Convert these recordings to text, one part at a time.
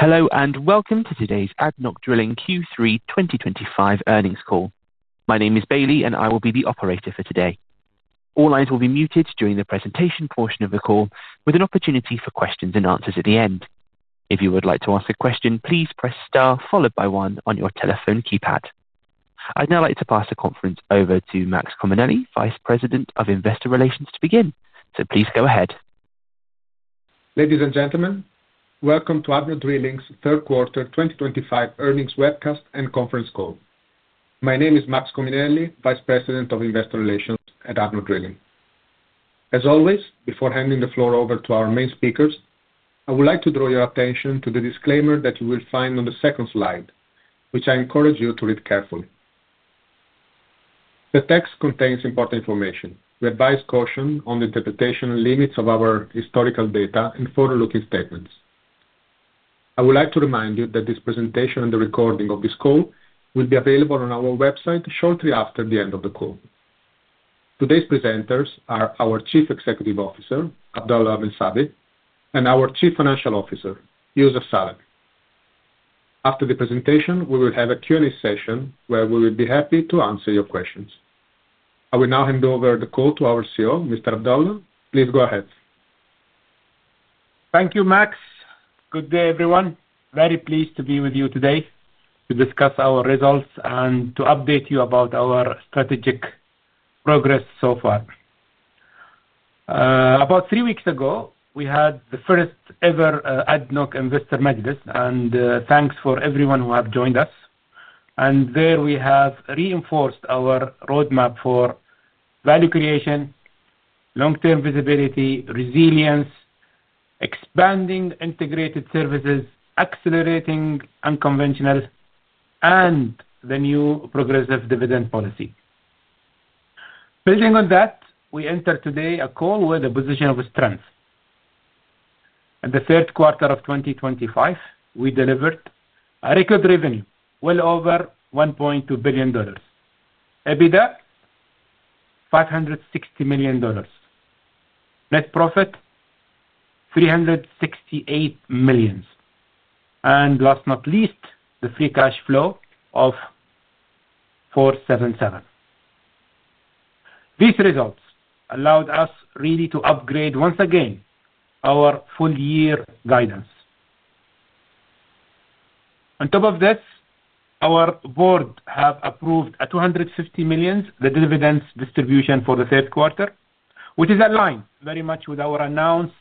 Hello and welcome to today's ADNOC Drilling Q3 2025 earnings call. My name is Bailey, and I will be the operator for today. All lines will be muted during the presentation portion of the call, with an opportunity for questions and answers at the end. If you would like to ask a question, please press star followed by one on your telephone keypad. I'd now like to pass the conference over to Max Cominelli, Vice President of Investor Relations, to begin. Please go ahead. Ladies and gentlemen, welcome to ADNOC Drilling's third quarter 2025 earnings webcast and conference call. My name is Max Cominelli, Vice President of Investor Relations at ADNOC Drilling. As always, before handing the floor over to our main speakers, I would like to draw your attention to the disclaimer that you will find on the second slide, which I encourage you to read carefully. The text contains important information. We advise caution on the interpretation and limits of our historical data and forward-looking statements. I would like to remind you that this presentation and the recording of this call will be available on our website shortly after the end of the call. Today's presenters are our Chief Executive Officer, Abdulrahman Abdulla Al Seiari, and our Chief Financial Officer, Youssef Salem. After the presentation, we will have a Q&A session where we will be happy to answer your questions. I will now hand over the call to our CEO, Mr. Abdulla, please go ahead. Thank you, Max. Good day, everyone. Very pleased to be with you today to discuss our results and to update you about our strategic progress so far. About three weeks ago, we had the first ever ADNOC Investor Majlis, and thanks for everyone who has joined us. There we have reinforced our roadmap for value creation, long-term visibility, resilience, expanding integrated services, accelerating unconventional, and the new progressive dividend policy. Building on that, we enter today a call with a position of strength. At the third quarter of 2025, we delivered a record revenue, well over $1.2 billion. EBITDA: $560 million. Net profit: $368 million. Last but not least, the free cash flow of $477 million. These results allowed us really to upgrade once again our full-year guidance. On top of this, our board has approved a $250 million dividend distribution for the third quarter, which is aligned very much with our announced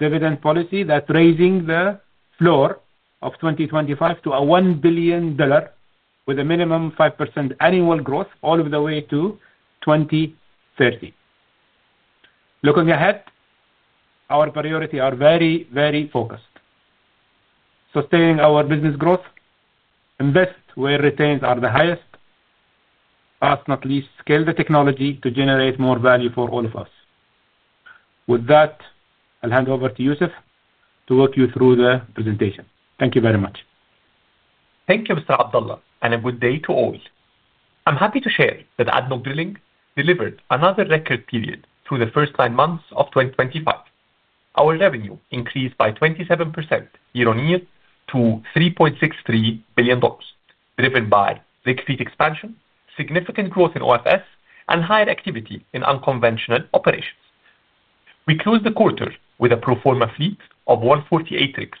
dividend policy that's raising the floor of 2025 to $1 billion with a minimum of 5% annual growth all of the way to 2030. Looking ahead, our priorities are very, very focused. Sustaining our business growth, invest where returns are the highest, last but not least, scale the technology to generate more value for all of us. With that, I'll hand over to Youssef to walk you through the presentation. Thank you very much. Thank you, Mr. Abdulla, and a good day to all. I'm happy to share that ADNOC Drilling delivered another record period through the first nine months of 2025. Our revenue increased by 27% year on year to $3.63 billion, driven by rig fleet expansion, significant growth in OFS, and higher activity in unconventional operations. We closed the quarter with a pro forma fleet of 148 rigs,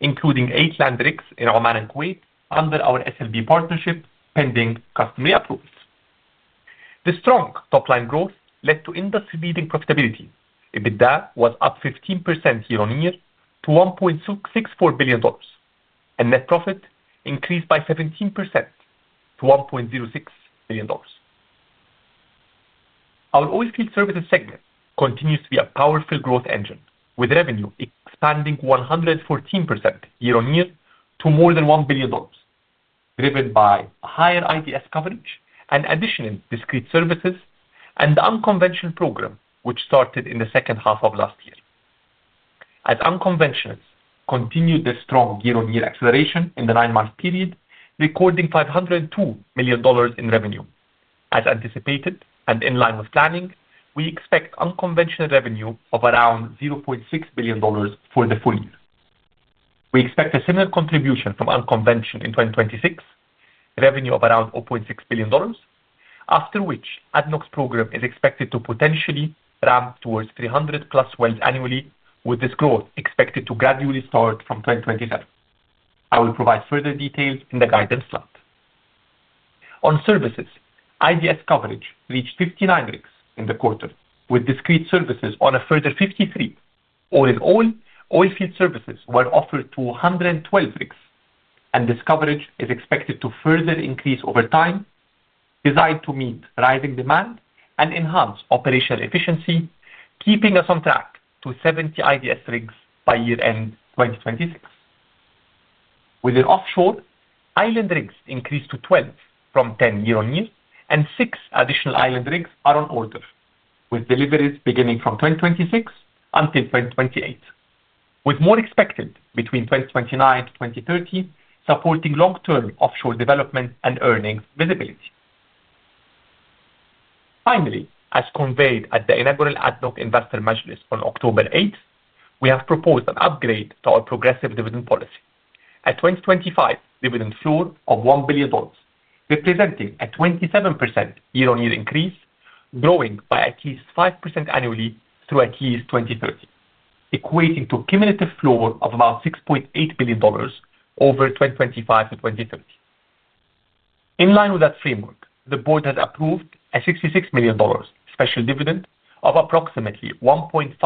including eight land rigs in Oman and Kuwait under our SLB partnership, pending customary approvals. The strong top-line growth led to industry-leading profitability. EBITDA was up 15% year on year to $1.64 billion, and net profit increased by 17% to $1.06 billion. Our oilfield services segment continues to be a powerful growth engine, with revenue expanding 114% year on year to more than $1 billion, driven by higher IDS coverage and addition in discrete services and the Unconventionals program, which started in the second half of last year. As Unconventionals continued their strong year-on-year acceleration in the nine-month period, recording $502 million in revenue. As anticipated and in line with planning, we expect unconventional revenue of around $0.6 billion for the full year. We expect a similar contribution from Unconventionals in 2026, revenue of around $0.6 billion, after which ADNOC's program is expected to potentially ramp towards 300 plus wells annually, with this growth expected to gradually start from 2027. I will provide further details in the guidance slide. On services, IDS coverage reached 59 rigs in the quarter, with discrete services on a further 53. All in all, oilfield services were offered to 112 rigs, and this coverage is expected to further increase over time, designed to meet rising demand and enhance operational efficiency, keeping us on track to 70 IDS rigs by year-end 2026. Within offshore, island rigs increased to 12 from 10 year on year, and six additional island rigs are on order, with deliveries beginning from 2026 until 2028, with more expected between 2029 to 2030, supporting long-term offshore development and earnings visibility. Finally, as conveyed at the inaugural ADNOC Investor Majlis on October 8th, we have proposed an upgrade to our progressive dividend policy at a 2025 dividend floor of $1 billion, representing a 27% year-on-year increase, growing by at least 5% annually through at least 2030, equating to a cumulative floor of about $6.8 billion over 2025 to 2030. In line with that framework, the board has approved a $66 million special dividend of approximately $0.015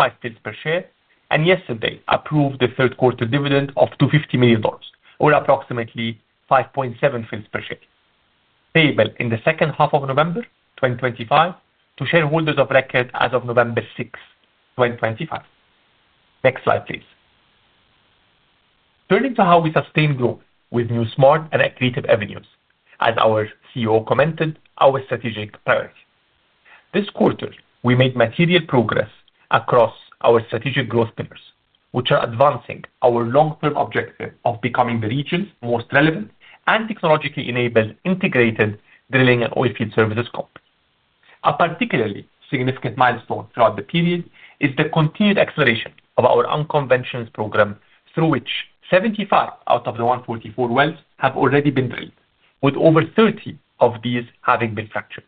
per share, and yesterday approved the third quarter dividend of $250 million, or approximately $0.057 per share, payable in the second half of November 2025 to shareholders of record as of November 6, 2025. Next slide, please. Turning to how we sustain growth with new smart and accurate avenues, as our CEO commented on our strategic priorities. This quarter, we made material progress across our strategic growth pillars, which are advancing our long-term objective of becoming the region's most relevant and technologically enabled integrated drilling and oilfield services company. A particularly significant milestone throughout the period is the continued acceleration of our Unconventionals program, through which 75 out of the 144 wells have already been drilled, with over 30 of these having been fractured.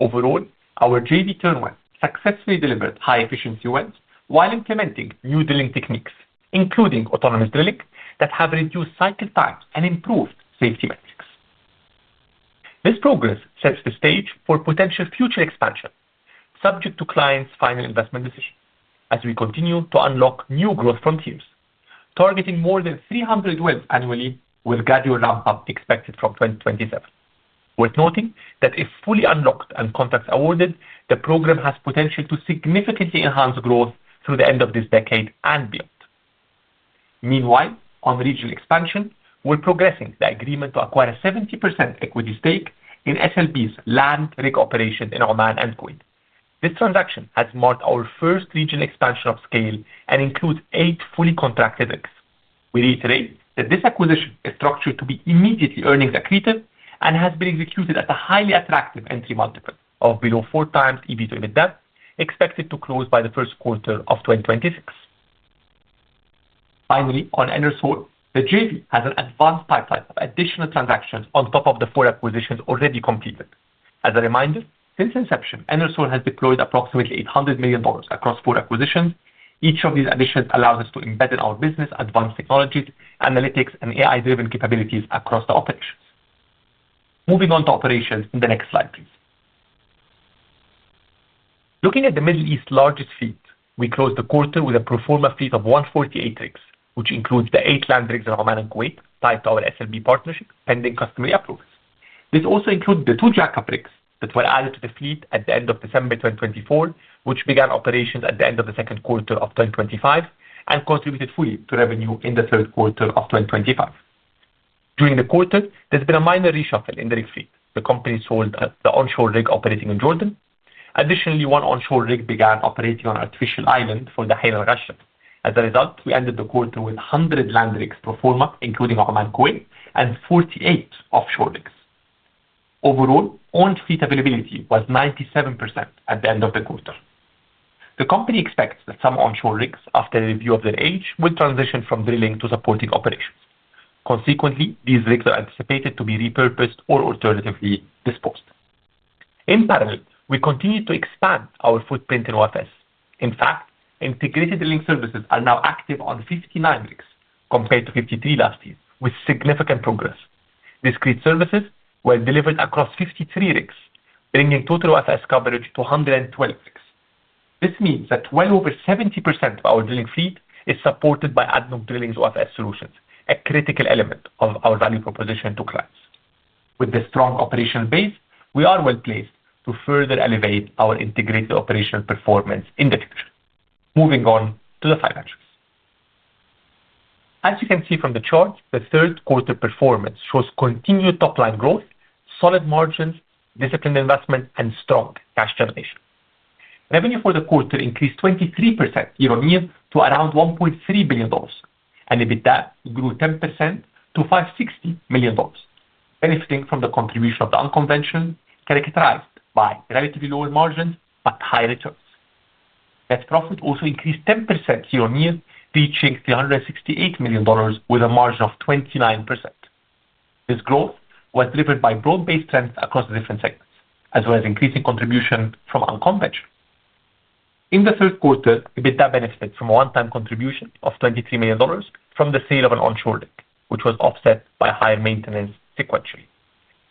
Overall, our JV Turnwell successfully delivered high-efficiency wells while implementing new drilling techniques, including autonomous drilling, that have reduced cycle times and improved safety metrics. This progress sets the stage for potential future expansion, subject to client's final investment decision, as we continue to unlock new growth frontiers, targeting more than 300 wells annually, with a gradual ramp-up expected from 2027. Worth noting that if fully unlocked and contracts awarded, the program has potential to significantly enhance growth through the end of this decade and beyond. Meanwhile, on regional expansion, we're progressing the agreement to acquire a 70% equity stake in SLB's land rig operation in Oman and Kuwait. This transaction has marked our first regional expansion of scale and includes eight fully contracted rigs. We reiterate that this acquisition is structured to be immediately earnings accretive and has been executed at a highly attractive entry multiple of below four times EBITDA, expected to close by the first quarter of 2026. Finally, on EnerSol, the JV has an advanced pipeline of additional transactions on top of the four acquisitions already completed. As a reminder, since inception, EnerSol has deployed approximately $800 million across four acquisitions. Each of these additions allows us to embed in our business advanced technologies, analytics, and AI-driven capabilities across the operations. Moving on to operations in the next slide, please. Looking at the Middle East's largest fleet, we closed the quarter with a pro forma fleet of 148 rigs, which includes the eight land rigs in Oman and Kuwait tied to our SLB partnership, pending customary approvals. This also includes the two jackup rigs that were added to the fleet at the end of December 2024, which began operations at the end of the second quarter of 2025 and contributed fully to revenue in the third quarter of 2025. During the quarter, there's been a minor reshuffle in the rig fleet. The company sold the onshore rig operating in Jordan. Additionally, one onshore rig began operating on Artificial Island for the Highland Rest Shop. As a result, we ended the quarter with 100 land rigs pro forma, including Oman and Kuwait, and 48 offshore rigs. Overall, owned fleet availability was 97% at the end of the quarter. The company expects that some onshore rigs, after the review of their age, will transition from drilling to supporting operations. Consequently, these rigs are anticipated to be repurposed or alternatively disposed. In parallel, we continue to expand our footprint in OFS. In fact, integrated drilling services are now active on 59 rigs compared to 53 last year, with significant progress. Discrete services were delivered across 53 rigs, bringing total OFS coverage to 112 rigs. This means that well over 70% of our drilling fleet is supported by ADNOC Drilling's OFS solutions, a critical element of our value proposition to clients. With this strong operational base, we are well placed to further elevate our integrated operational performance in the future. Moving on to the financials. As you can see from the chart, the third quarter performance shows continued top-line growth, solid margins, disciplined investment, and strong cash generation. Revenue for the quarter increased 23% year on year to around $1.3 billion, and EBITDA grew 10% to $560 million, benefiting from the contribution of the unconventional characterized by relatively lower margins but high returns. Net profit also increased 10% year on year, reaching $368 million with a margin of 29%. This growth was driven by broad-based trends across the different segments, as well as increasing contribution from Unconventionals. In the third quarter, EBITDA benefited from a one-time contribution of $23 million from the sale of an onshore rig, which was offset by higher maintenance sequentially.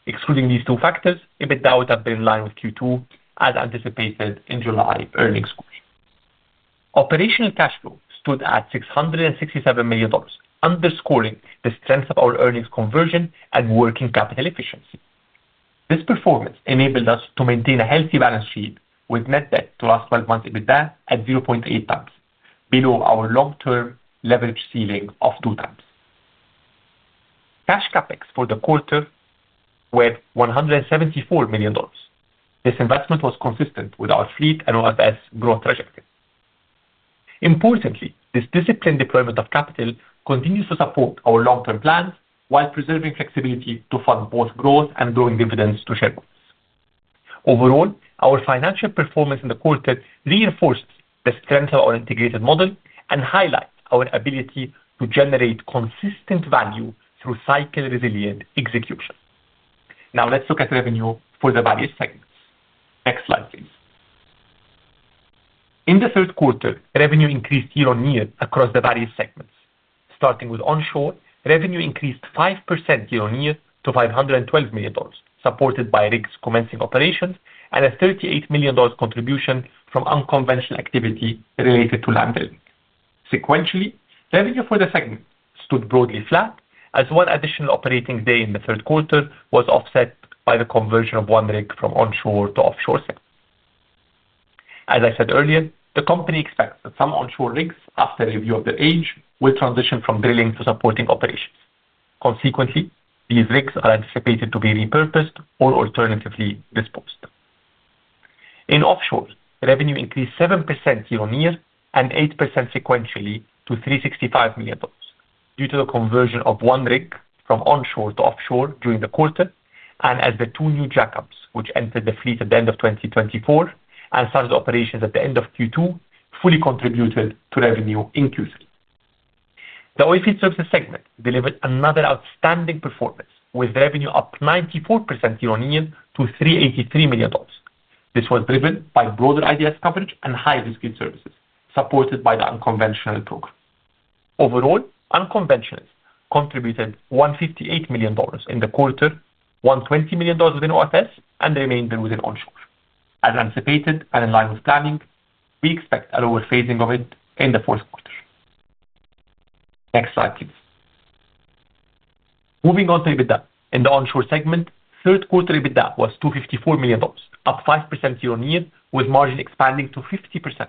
Excluding these two factors, EBITDA would have been in line with Q2 as anticipated in July earnings quarter. Operational cash flow stood at $667 million, underscoring the strength of our earnings conversion and working capital efficiency. This performance enabled us to maintain a healthy balance sheet with net debt to last 12 months EBITDA at 0.8 times, below our long-term leverage ceiling of 2 times. Cash CapEx for the quarter was $174 million. This investment was consistent with our fleet and OFS growth trajectory. Importantly, this disciplined deployment of capital continues to support our long-term plans while preserving flexibility to fund both growth and growing dividends to shareholders. Overall, our financial performance in the quarter reinforces the strength of our integrated model and highlights our ability to generate consistent value through cycle-resilient execution. Now let's look at revenue for the various segments. Next slide, please. In the third quarter, revenue increased year on year across the various segments. Starting with onshore, revenue increased 5% year on year to $512 million, supported by rigs commencing operations and a $38 million contribution from unconventional activity related to land drilling. Sequentially, revenue for the segment stood broadly flat, as one additional operating day in the third quarter was offset by the conversion of one rig from onshore to offshore segment. As I said earlier, the company expects that some onshore rigs, after a review of their age, will transition from drilling to supporting operations. Consequently, these rigs are anticipated to be repurposed or alternatively disposed. In offshore, revenue increased 7% year on year and 8% sequentially to $365 million due to the conversion of one rig from onshore to offshore during the quarter, and as the two new jackups, which entered the fleet at the end of 2024 and started operations at the end of Q2, fully contributed to revenue increases. The oilfield services segment delivered another outstanding performance, with revenue up 94% year on year to $383 million. This was driven by broader IDS coverage and high discrete services supported by the Unconventionals program. Overall, Unconventionals contributed $158 million in the quarter, $120 million within OFS, and the remainder within onshore. As anticipated and in line with planning, we expect a lower phasing of it in the fourth quarter. Next slide, please. Moving on to EBITDA in the onshore segment, third quarter EBITDA was $254 million, up 5% year on year, with margin expanding to 50%,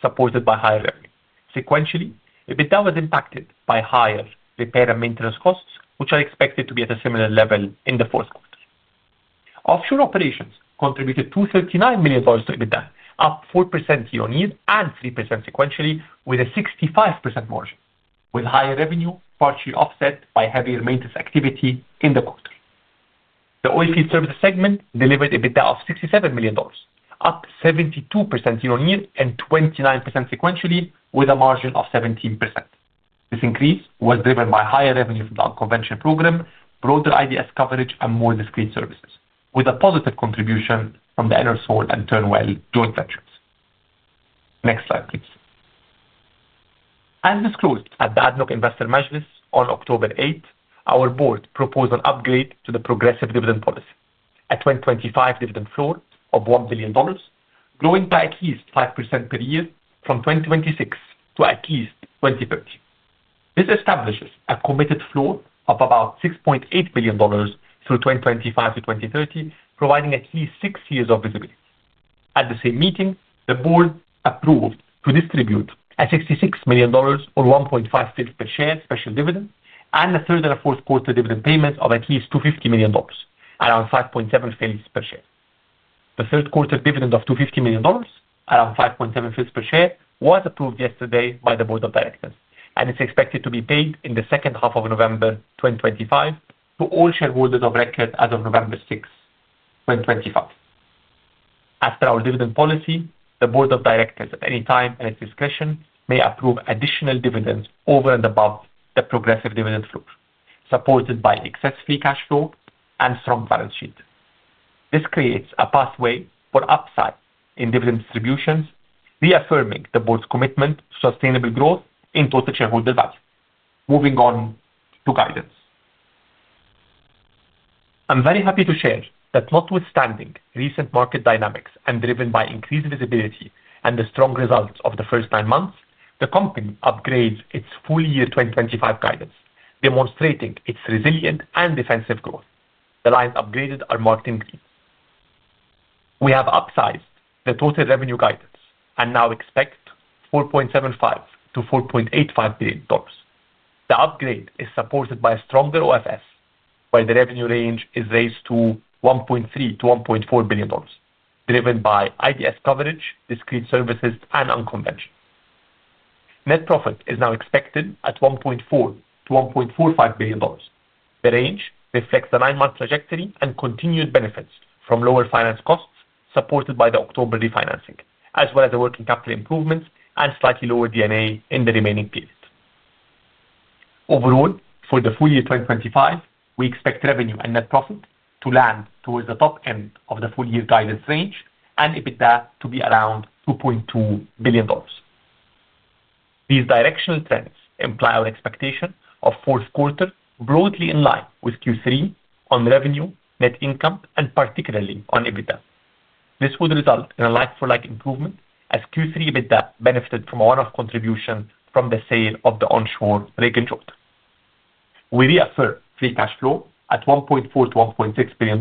supported by higher revenue. Sequentially, EBITDA was impacted by higher repair and maintenance costs, which are expected to be at a similar level in the fourth quarter. Offshore operations contributed $239 million to EBITDA, up 4% year on year and 3% sequentially, with a 65% margin, with higher revenue partially offset by heavier maintenance activity in the quarter. The oilfield services segment delivered EBITDA of $67 million, up 72% year on year and 29% sequentially, with a margin of 17%. This increase was driven by higher revenue from the Unconventionals program, broader IDS coverage, and more discrete services, with a positive contribution from the EnerSol and Turnwell joint ventures. Next slide, please. As disclosed at the ADNOC Investor Majlis on October 8, our board proposed an upgrade to the progressive dividend policy at a 2025 dividend floor of $1 billion, growing by at least 5% per year from 2026 to at least 2030. This establishes a committed floor of about $6.8 billion through 2025 to 2030, providing at least six years of visibility. At the same meeting, the board approved to distribute a $66 million or $0.015 per share special dividend and a third and a fourth quarter dividend payment of at least $250 million, around $0.057 per share. The third quarter dividend of $250 million, around $0.057 per share, was approved yesterday by the board of directors, and it's expected to be paid in the second half of November 2025 to all shareholders of record as of November 6, 2025. As per our dividend policy, the board of directors, at any time at its discretion, may approve additional dividends over and above the progressive dividend floor, supported by excess free cash flow and strong balance sheet. This creates a pathway for upside in dividend distributions, reaffirming the board's commitment to sustainable growth in total shareholder value. Moving on to guidance. I'm very happy to share that, notwithstanding recent market dynamics and driven by increased visibility and the strong results of the first nine months, the company upgrades its full-year 2025 guidance, demonstrating its resilient and defensive growth. The lines upgraded are marked in green. We have upsized the total revenue guidance and now expect $4.75 to $4.85 billion. The upgrade is supported by a stronger OFS, where the revenue range is raised to $1.3 to $1.4 billion, driven by IDS coverage, discrete services, and Unconventionals. Net profit is now expected at $1.4 to $1.45 billion. The range reflects the nine-month trajectory and continued benefits from lower finance costs, supported by the October refinancing, as well as the working capital improvements and slightly lower D&A in the remaining period. Overall, for the full-year 2025, we expect revenue and net profit to land towards the top end of the full-year guidance range and EBITDA to be around $2.2 billion. These directional trends imply our expectation of fourth quarter broadly in line with Q3 on revenue, net income, and particularly on EBITDA. This would result in a like-for-like improvement, as Q3 EBITDA benefited from a one-off contribution from the sale of the onshore rig in Jordan. We reaffirm free cash flow at $1.4 to $1.6 billion,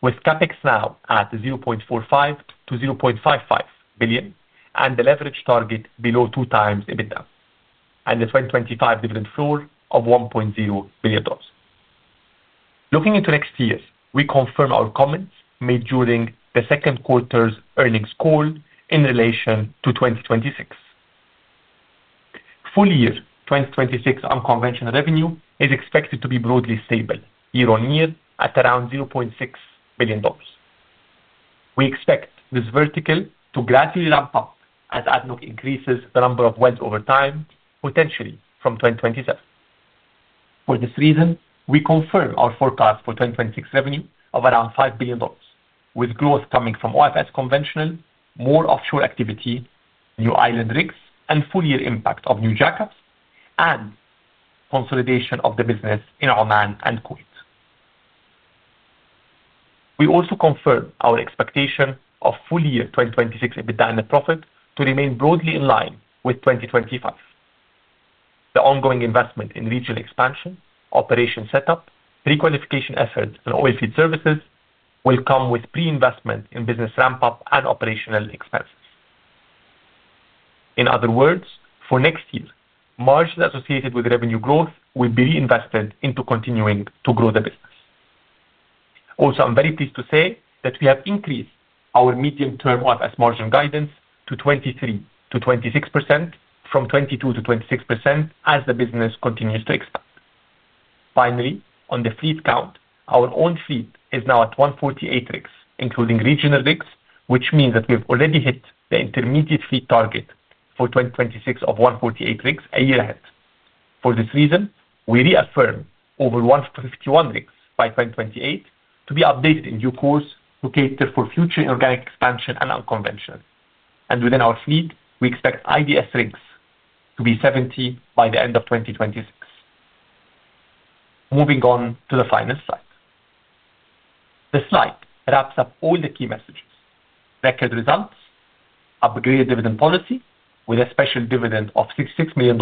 with CapEx now at $0.45 to $0.55 billion and the leverage target below two times EBITDA, and a 2025 dividend floor of $1.0 billion. Looking into next year's, we confirm our comments made during the second quarter's earnings call in relation to 2026. Full-year 2026 unconventional revenue is expected to be broadly stable year on year at around $0.6 billion. We expect this vertical to gradually ramp up as ADNOC increases the number of wells over time, potentially from 2027. For this reason, we confirm our forecast for 2026 revenue of around $5 billion, with growth coming from OFS conventional, more offshore activity, new island rigs, and full-year impact of new jackups and consolidation of the business in Oman and Kuwait. We also confirm our expectation of full-year 2026 EBITDA and net profit to remain broadly in line with 2025. The ongoing investment in regional expansion, operation setup, pre-qualification efforts, and oilfield services will come with pre-investment in business ramp-up and operational expenses. In other words, for next year, margins associated with revenue growth will be reinvested into continuing to grow the business. Also, I'm very pleased to say that we have increased our medium-term OFS margin guidance to 23% to 26% from 22% to 26% as the business continues to expand. Finally, on the fleet count, our own fleet is now at 148 rigs, including regional rigs, which means that we've already hit the intermediate fleet target for 2026 of 148 rigs a year ahead. For this reason, we reaffirm over 151 rigs by 2028 to be updated in due course to cater for future organic expansion and unconventional. Within our fleet, we expect IDS rigs to be 70 by the end of 2026. Moving on to the final slide. The slide wraps up all the key messages: record results, upgraded dividend policy with a special dividend of $66 million,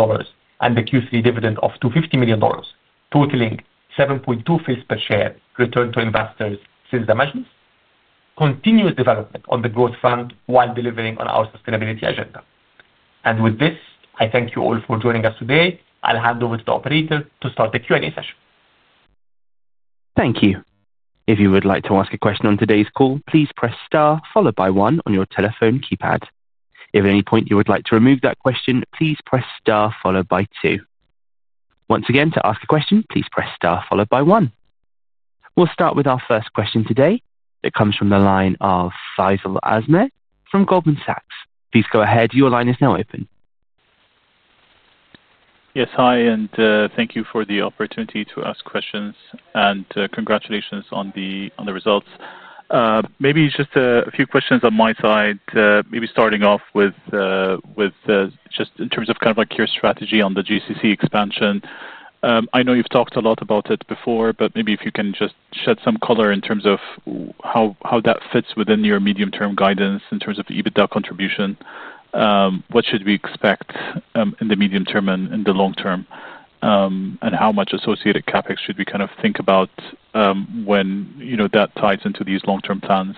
and the Q3 dividend of $250 million, totaling $7.20 per share return to investors since the Majlis. Continuous development on the growth front while delivering on our sustainability agenda. With this, I thank you all for joining us today. I'll hand over to the Operator to start the Q&A session. Thank you. If you would like to ask a question on today's call, please press star followed by one on your telephone keypad. If at any point you would like to remove that question, please press star followed by two. Once again, to ask a question, please press star followed by one. We'll start with our first question today. It comes from the line of Faisal Al-Azmeh from Goldman Sachs. Please go ahead. Your line is now open. Yes, hi, and thank you for the opportunity to ask questions, and congratulations on the results. Maybe just a few questions on my side, maybe starting off with just in terms of kind of like your strategy on the GCC expansion. I know you've talked a lot about it before, but maybe if you can just shed some color in terms of how that fits within your medium-term guidance in terms of the EBITDA contribution. What should we expect in the medium term and in the long term? How much associated CapEx should we kind of think about when you know that ties into these long-term plans?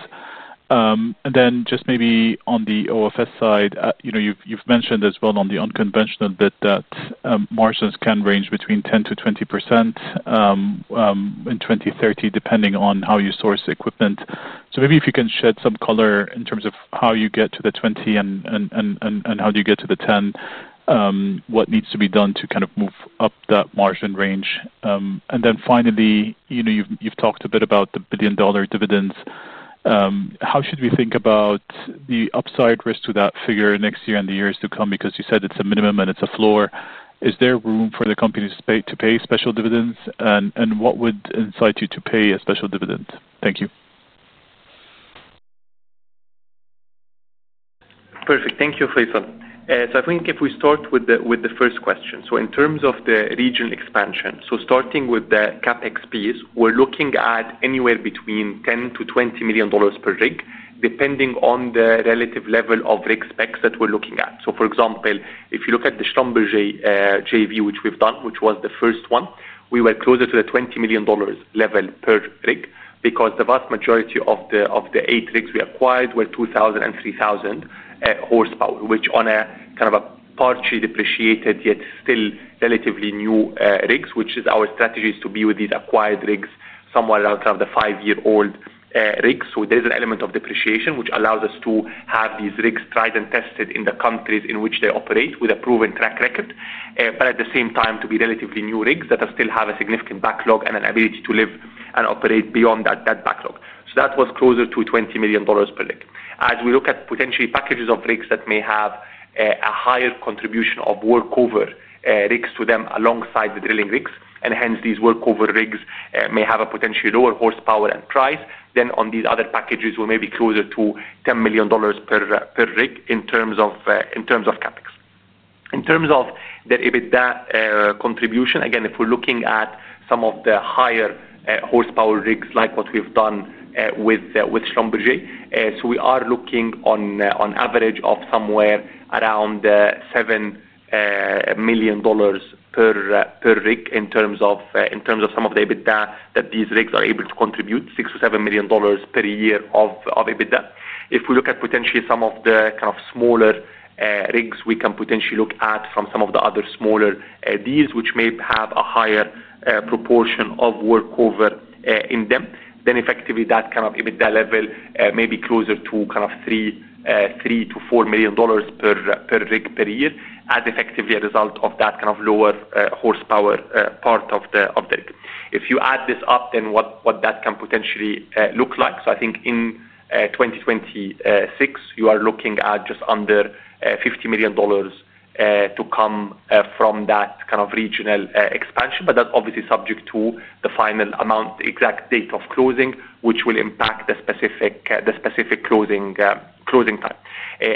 Maybe on the OFS side, you've mentioned as well on the unconventional that margins can range between 10% to 20% in 2030, depending on how you source equipment. If you can shed some color in terms of how you get to the 20% and how do you get to the 10%, what needs to be done to kind of move up that margin range. Finally, you've talked a bit about the billion-dollar dividends. How should we think about the upside risk to that figure next year and the years to come? Because you said it's a minimum and it's a floor. Is there room for the company to pay special dividends? What would incite you to pay a special dividend? Thank you. Perfect. Thank you, Faisal. I think if we start with the first question. In terms of the regional expansion, starting with the CapEx piece, we're looking at anywhere between $10 million to $20 million per rig, depending on the relative level of rig specs that we're looking at. For example, if you look at the SLB JV, which we've done, which was the first one, we were closer to the $20 million level per rig because the vast majority of the eight rigs we acquired were 2,000 and 3,000 horsepower, which are kind of partially depreciated yet still relatively new rigs, which is our strategy—to be with these acquired rigs somewhere around kind of the five-year-old rigs. There is an element of depreciation, which allows us to have these rigs tried and tested in the countries in which they operate with a proven track record, but at the same time, to be relatively new rigs that still have a significant backlog and an ability to live and operate beyond that backlog. That was closer to $20 million per rig. As we look at potentially packages of rigs that may have a higher contribution of workover rigs to them alongside the drilling rigs, and hence these workover rigs may have a potentially lower horsepower and price, then on these other packages, we're maybe closer to $10 million per rig in terms of CapEx. In terms of their EBITDA contribution, again, if we're looking at some of the higher horsepower rigs like what we've done with SLB, we are looking on an average of somewhere around $7 million per rig in terms of some of the EBITDA that these rigs are able to contribute, $6 million to $7 million per year of EBITDA. If we look at potentially some of the kind of smaller rigs we can potentially look at from some of the other smaller deals, which may have a higher proportion of workover in them, then effectively that kind of EBITDA level may be closer to $3 million to $4 million per rig per year, as effectively a result of that kind of lower horsepower part of the rig. If you add this up, then what that can potentially look like, I think in 2026, you are looking at just under $50 million to come from that kind of regional expansion, but that's obviously subject to the final amount, the exact date of closing, which will impact the specific closing time.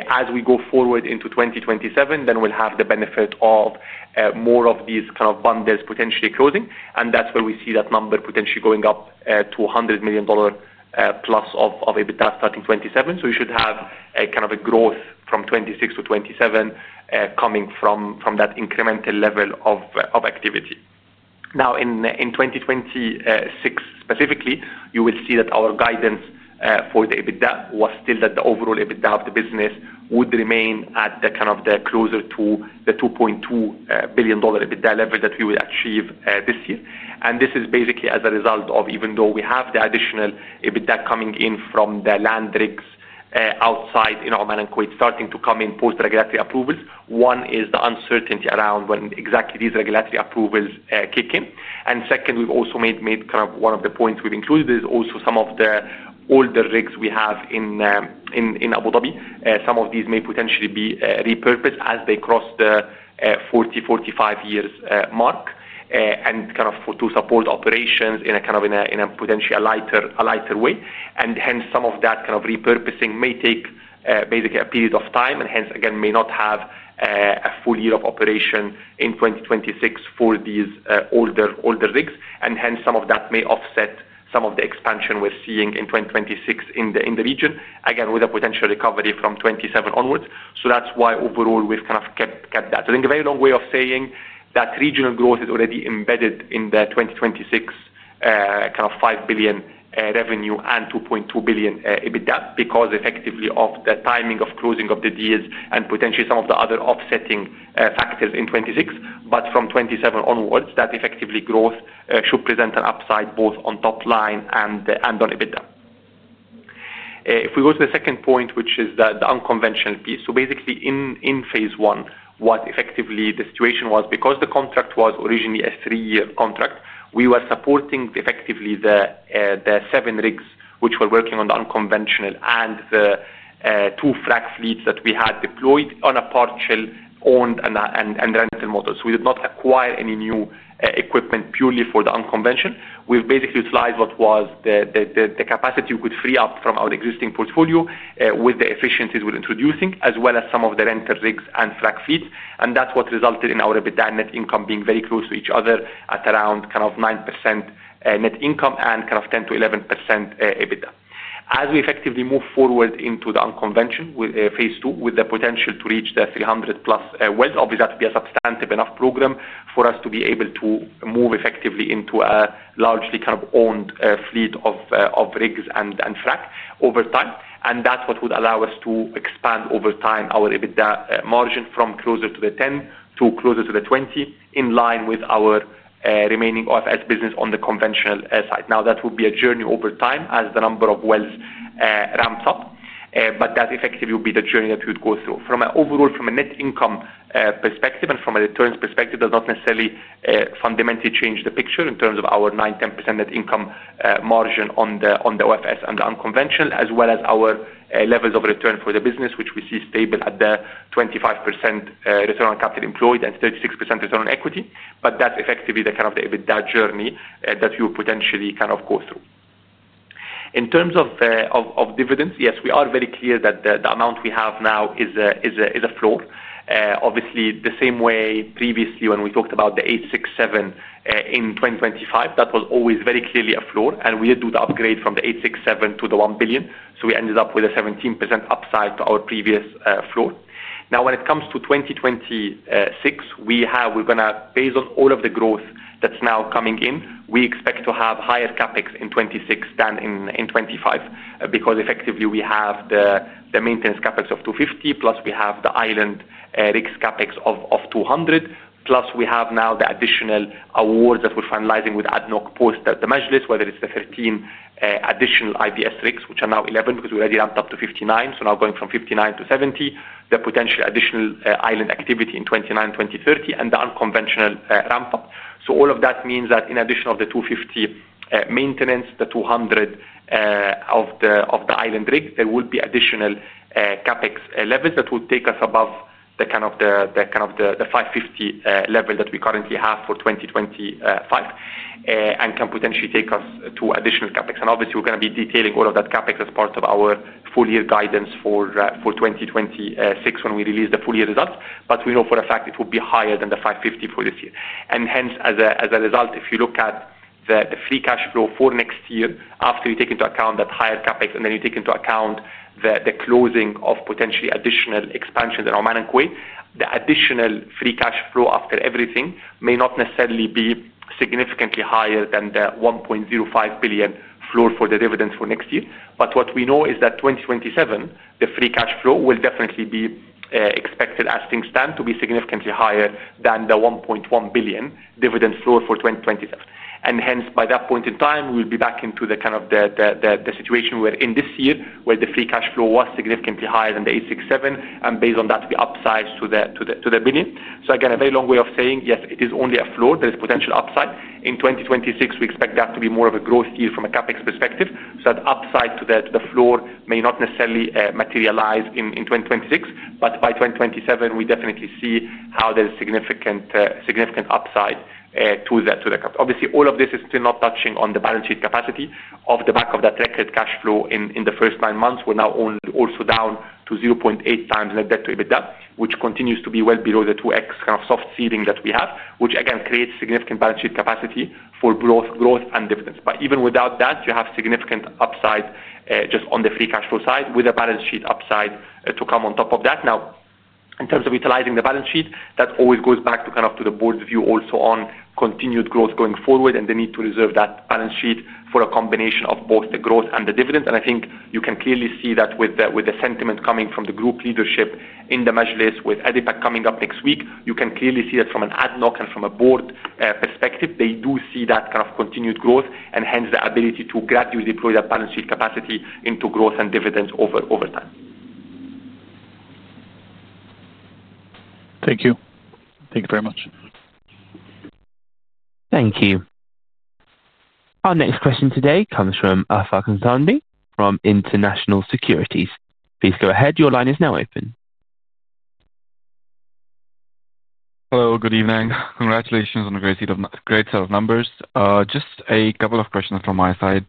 As we go forward into 2027, we'll have the benefit of more of these kind of bundles potentially closing, and that's where we see that number potentially going up to $100 million plus of EBITDA starting 2027. You should have a kind of a growth from 2026 to 2027 coming from that incremental level of activity. In 2026 specifically, you will see that our guidance for the EBITDA was still that the overall EBITDA of the business would remain at the kind of the closer to the $2.2 billion EBITDA level that we would achieve this year. This is basically as a result of even though we have the additional EBITDA coming in from the land rigs outside in Oman and Kuwait, starting to come in post-regulatory approvals. One is the uncertainty around when exactly these regulatory approvals kick in. Second, we've also made kind of one of the points we've included is also some of the older rigs we have in Abu Dhabi. Some of these may potentially be repurposed as they cross the 40, 45 years mark, and kind of to support operations in a potentially a lighter way. Hence, some of that kind of repurposing may take basically a period of time, and may not have a full year of operation in 2026 for these older rigs. Some of that may offset some of the expansion we're seeing in 2026 in the region, with a potential recovery from 2027 onwards. That's why overall we've kind of kept that. I think a very long way of saying that regional growth is already embedded in the 2026 kind of $5 billion revenue and $2.2 billion EBITDA because effectively of the timing of closing of the deals and potentially some of the other offsetting factors in 2026. From 2027 onwards, that effectively growth should present an upside both on top line and on EBITDA. If we go to the second point, which is the unconventional piece, in phase one, what effectively the situation was because the contract was originally a three-year contract, we were supporting effectively the seven rigs which were working on the unconventional and the two frack fleets that we had deployed on a partial owned and rental model. We did not acquire any new equipment purely for the unconventional. We've basically utilized what was the capacity we could free up from our existing portfolio with the efficiencies we're introducing, as well as some of the rental rigs and frack fleets. That's what resulted in our EBITDA net income being very close to each other at around 9% net income and 10% to 11% EBITDA. As we effectively move forward into the unconventional phase two, with the potential to reach the 300 plus wells, that would be a substantive enough program for us to be able to move effectively into a largely owned fleet of rigs and frack over time. That's what would allow us to expand over time our EBITDA margin from closer to the 10% to closer to the 20%, in line with our remaining OFS business on the conventional side. That would be a journey over time as the number of wells ramps up. That effectively would be the journey that we would go through. From an overall net income perspective and from a returns perspective, that does not necessarily fundamentally change the picture in terms of our 9% to 10% net income margin on the OFS and the unconventional, as well as our levels of return for the business, which we see stable at the 25% return on capital employed and 36% return on equity. That's effectively the EBITDA journey that we would potentially go through. In terms of dividends, yes, we are very clear that the amount we have now is a floor. The same way previously when we talked about the $867 million in 2025, that was always very clearly a floor. We did do the upgrade from the $867 million to the $1 billion. We ended up with a 17% upside to our previous floor. When it comes to 2026, we're going to, based on all of the growth that's now coming in, we expect to have higher CapEx in 2026 than in 2025 because we have the maintenance CapEx of $250 million, plus we have the island rigs CapEx of $200 million, plus we have now the additional awards that we're finalizing with ADNOC post the Majlis, whether it's the 13 additional IDS rigs, which are now 11 because we already ramped up to 59. Now going from 59 to 70, the potential additional island activity in 2029, 2030, and the unconventional ramp-up. All of that means that in addition to the $250 million maintenance, the $200 million of the island rig, there will be additional CapEx levels that will take us above the $550 million level that we currently have for 2025 and can potentially take us to additional CapEx. We're going to be detailing all of that CapEx as part of our full-year guidance for 2026 when we release the full-year results. We know for a fact it will be higher than the $550 for this year. Hence, as a result, if you look at the free cash flow for next year, after you take into account that higher CapEx and then you take into account the closing of potentially additional expansions in Oman and Kuwait, the additional free cash flow after everything may not necessarily be significantly higher than the $1.05 billion floor for the dividends for next year. What we know is that in 2027, the free cash flow will definitely be expected, as things stand, to be significantly higher than the $1.1 billion dividend floor for 2027. Hence, by that point in time, we'll be back into the kind of situation we were in this year, where the free cash flow was significantly higher than the $867 million. Based on that, we upsized to the billion. Again, a very long way of saying, yes, it is only a floor. There is potential upside. In 2026, we expect that to be more of a growth year from a CapEx perspective. That upside to the floor may not necessarily materialize in 2026. By 2027, we definitely see how there is significant upside to the CapEx. Obviously, all of this is still not touching on the balance sheet capacity off the back of that record cash flow in the first nine months. We're now also down to 0.8 times net debt/EBITDA, which continues to be well below the 2x kind of soft ceiling that we have, which again creates significant balance sheet capacity for growth and dividends. Even without that, you have significant upside just on the free cash flow side with a balance sheet upside to come on top of that. In terms of utilizing the balance sheet, that always goes back to the board's view also on continued growth going forward and the need to reserve that balance sheet for a combination of both the growth and the dividend. I think you can clearly see that with the sentiment coming from the group leadership in the Majlis, with ADIPEC coming up next week, you can clearly see that from an ADNOC and from a board perspective, they do see that kind of continued growth and hence the ability to gradually deploy that balance sheet capacity into growth and dividends over time. Thank you. Thank you very much. Thank you. Our next question today comes from Afaq Nathani from International Securities. Please go ahead. Your line is now open. Hello. Good evening. Congratulations on a great set of numbers. Just a couple of questions from my side.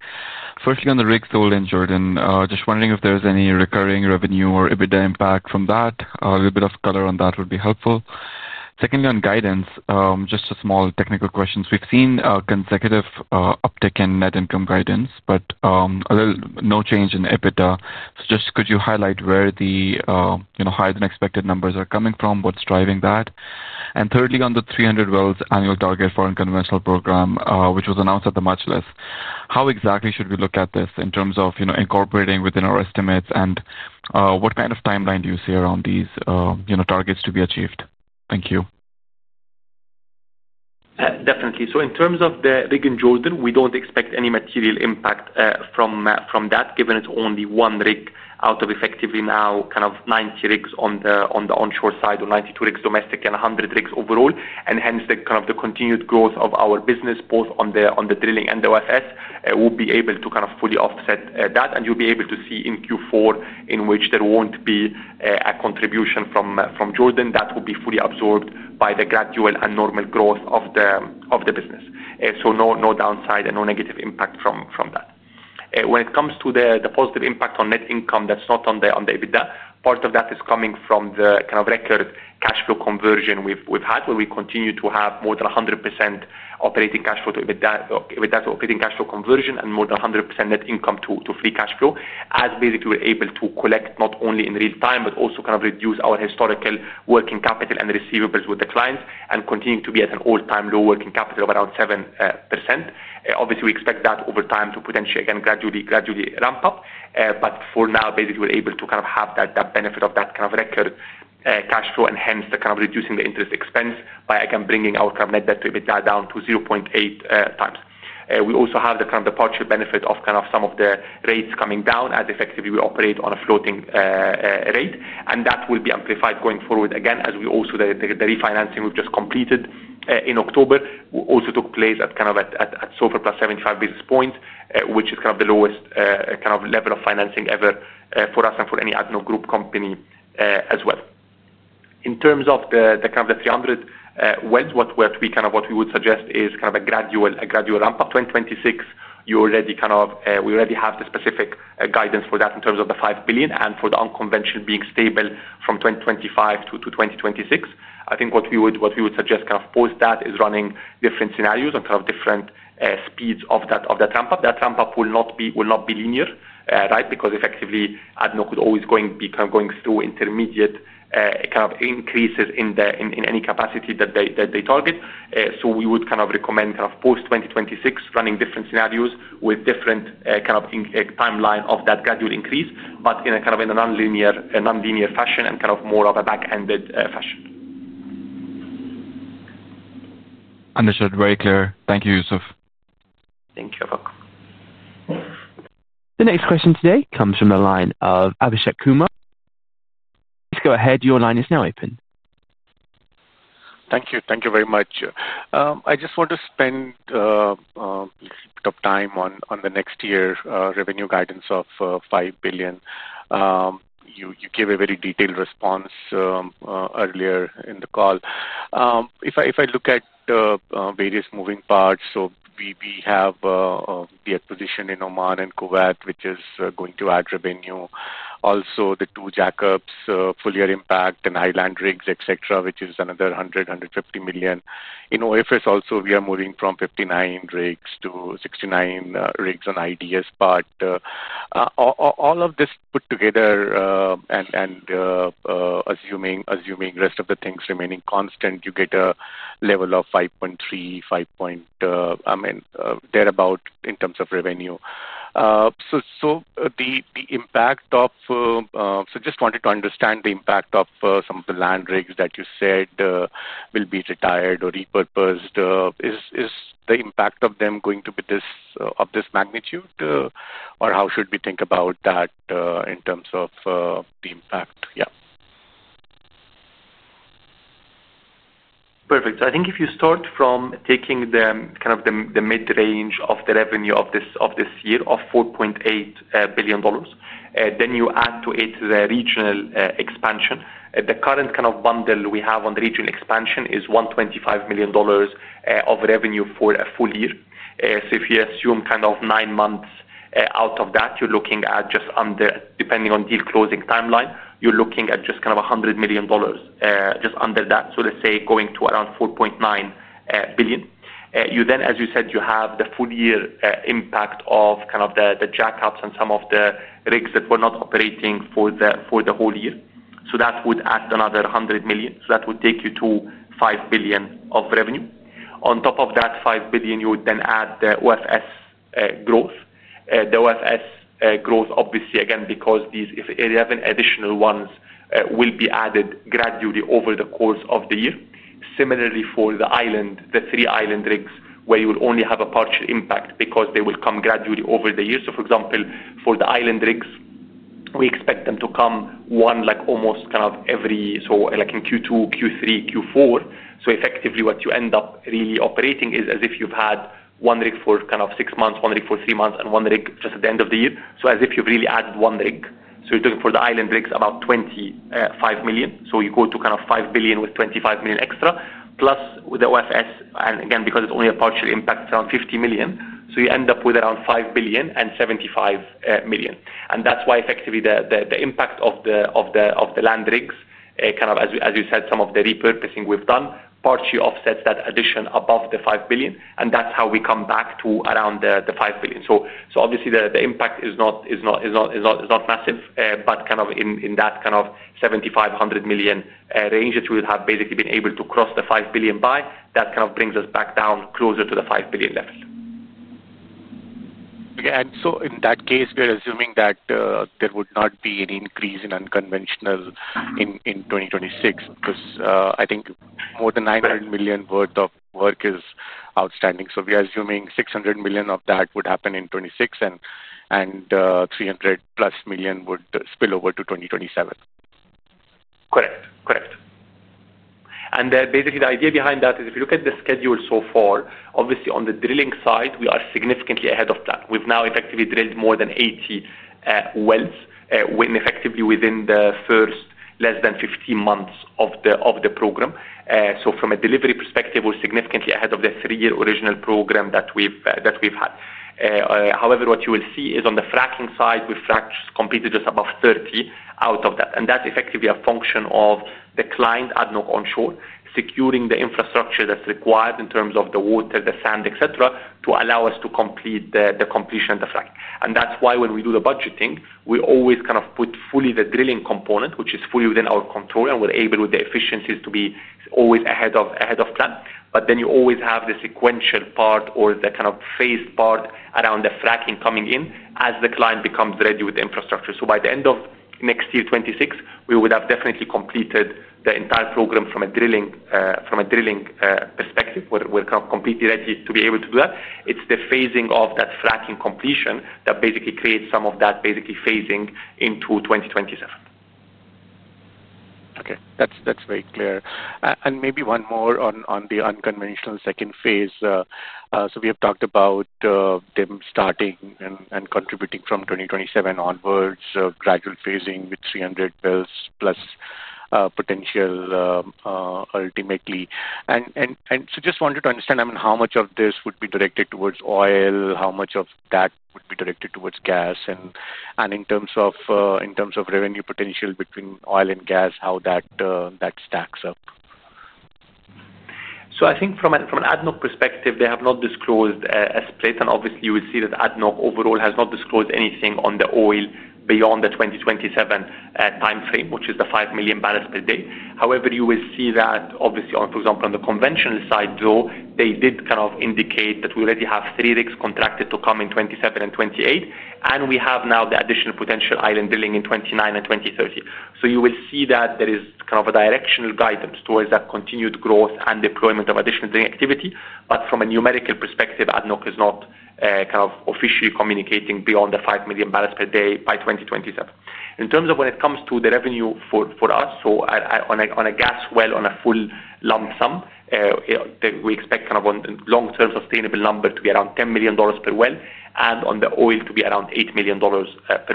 Firstly, on the rigs sold in Jordan, just wondering if there's any recurring revenue or EBITDA impact from that. A little bit of color on that would be helpful. Secondly, on guidance, just a small technical question. We've seen a consecutive uptick in net income guidance, but little to no change in EBITDA. Could you highlight where the higher than expected numbers are coming from? What's driving that? Thirdly, on the 300 wells annual target for the Unconventionals program, which was announced at the Majlis, how exactly should we look at this in terms of incorporating within our estimates? What kind of timeline do you see around these targets to be achieved? Thank you. Definitely. In terms of the rig in Jordan, we don't expect any material impact from that, given it's only one rig out of effectively now kind of 90 rigs on the onshore side or 92 rigs domestic and 100 rigs overall. Hence, the continued growth of our business, both on the drilling and the OFS, will be able to fully offset that. You'll be able to see in Q4 in which there won't be a contribution from Jordan. That will be fully absorbed by the gradual and normal growth of the business. No downside and no negative impact from that. When it comes to the positive impact on net income, that's not on the EBITDA. Part of that is coming from the record cash flow conversion we've had, where we continue to have more than 100% operating cash flow to EBITDA to operating cash flow conversion and more than 100% net income to free cash flow, as basically we're able to collect not only in real time, but also reduce our historical working capital and receivables with the clients and continue to be at an all-time low working capital of around 7%. Obviously, we expect that over time to potentially, again, gradually ramp up. For now, basically, we're able to have that benefit of that record cash flow and hence reducing the interest expense by, again, bringing our net debt/EBITDA down to 0.8 times. We also have the partial benefit of some of the rates coming down, as effectively we operate on a floating rate. That will be amplified going forward, again, as the refinancing we've just completed in October also took place at SOFR plus 75 basis points, which is the lowest level of financing ever for us and for any ADNOC group company as well. In terms of the 300 wells, what we would suggest is a gradual ramp-up. 2026, you already have the specific guidance for that in terms of the $5 billion and for the unconventional being stable from 2025 to 2026. I think what we would suggest post that is running different scenarios and different speeds of that ramp-up. That ramp-up will not be linear, right, because effectively ADNOC is always going to be going through intermediate increases in any capacity that they target. We would recommend post-2026 running different scenarios with different timeline of that gradual increase, but in a nonlinear fashion and more of a back-ended fashion. Understood. Very clear. Thank you, Youssef. Thank you. You're welcome. The next question today comes from the line of Abhishek Kumar. Please go ahead. Your line is now open. Thank you. Thank you very much. I just want to spend a little bit of time on the next year revenue guidance of $5 billion. You gave a very detailed response earlier in the call. If I look at various moving parts, we have the acquisition in Oman and Kuwait, which is going to add revenue. Also, the two jackups, fully impact and island rigs, etc., which is another $100 million, $150 million. In OFS, we are also moving from 59 rigs to 69 rigs on the IDS part. All of this put together and assuming the rest of the things remaining constant, you get a level of $5.3 billion, $5 billion, I mean, thereabout in terms of revenue. I just wanted to understand the impact of some of the land rigs that you said will be retired or repurposed. Is the impact of them going to be of this magnitude, or how should we think about that in terms of the impact? Yeah. Perfect. I think if you start from taking the kind of the mid-range of the revenue of this year of $4.8 billion, then you add to it the regional expansion. The current kind of bundle we have on the regional expansion is $125 million of revenue for a full year. If you assume kind of nine months out of that, you're looking at just under, depending on deal closing timeline, you're looking at just kind of $100 million, just under that. Let's say going to around $4.9 billion. You then, as you said, have the full year impact of kind of the jackups and some of the rigs that were not operating for the whole year. That would add another $100 million. That would take you to $5 billion of revenue. On top of that $5 billion, you would then add the OFS growth. The OFS growth, obviously, again, because these 11 additional ones will be added gradually over the course of the year. Similarly, for the island, the three island rigs, where you will only have a partial impact because they will come gradually over the year. For example, for the island rigs, we expect them to come one like almost kind of every, so like in Q2, Q3, Q4. Effectively, what you end up really operating is as if you've had one rig for kind of six months, one rig for three months, and one rig just at the end of the year. As if you've really added one rig. You're looking for the island rigs about $25 million. You go to kind of $5 billion with $25 million extra, plus with the OFS, and again, because it's only a partial impact, around $50 million. You end up with around $5 billion and $75 million. That's why effectively the impact of the land rigs, kind of as you said, some of the repurposing we've done partially offsets that addition above the $5 billion. That's how we come back to around the $5 billion. Obviously, the impact is not massive, but kind of in that kind of $75 million range that we would have basically been able to cross the $5 billion by, that kind of brings us back down closer to the $5 billion level. Okay. In that case, we're assuming that there would not be an increase in unconventional in 2026 because I think more than $900 million worth of work is outstanding. We are assuming $600 million of that would happen in 2026, and $300 million plus would spill over to 2027. Correct. Correct. Basically, the idea behind that is if you look at the schedule so far, obviously, on the drilling side, we are significantly ahead of plan. We've now effectively drilled more than 80 wells in effectively within the first less than 15 months of the program. From a delivery perspective, we're significantly ahead of the three-year original program that we've had. However, what you will see is on the fracking side, we've fracked completely just above 30 out of that. That's effectively a function of the client ADNOC Onshore securing the infrastructure that's required in terms of the water, the sand, etc., to allow us to complete the completion of the fracking. That's why when we do the budgeting, we always kind of put fully the drilling component, which is fully within our control, and we're able with the efficiencies to be always ahead of plan. You always have the sequential part or the kind of phased part around the fracking coming in as the client becomes ready with the infrastructure. By the end of next year, 2026, we would have definitely completed the entire program from a drilling perspective. We're kind of completely ready to be able to do that. It's the phasing of that fracking completion that basically creates some of that phasing into 2027. Okay. That's very clear. Maybe one more on the unconventional second phase. We have talked about them starting and contributing from 2027 onwards, gradual phasing with 300 wells plus potential ultimately. I just wanted to understand how much of this would be directed towards oil, how much of that would be directed towards gas, and in terms of revenue potential between oil and gas, how that stacks up. I think from an ADNOC perspective, they have not disclosed a split, and obviously, you will see that ADNOC overall has not disclosed anything on the oil beyond the 2027 timeframe, which is the 5 million barrels per day. However, you will see that, for example, on the conventional side, they did kind of indicate that we already have three rigs contracted to come in 2027 and 2028, and we have now the additional potential island drilling in 2029 and 2023. You will see that there is kind of a directional guidance towards that continued growth and deployment of additional drilling activity. From a numerical perspective, ADNOC is not officially communicating beyond the 5 million barrels per day by 2027. In terms of when it comes to the revenue for us, on a gas well, on a full lump sum, we expect kind of a long-term sustainable number to be around $10 million per well and on the oil to be around $8 million per